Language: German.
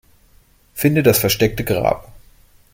Finde das versteckte Grab.